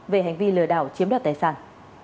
về hành vi lừa đảo chiếm đoạt tài sản